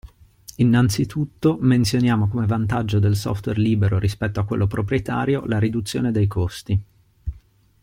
Innanzitutto, menzioniamo come vantaggio del software libero rispetto a quello proprietario la riduzione dei costi.